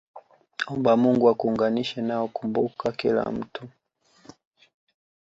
omba Mungu akuunganishe nao Kumbuka kila mtu